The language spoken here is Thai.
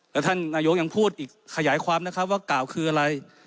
แล้วท่านนายกยังพูดอีกขยายความนะครับว่ากล่าวคืออะไร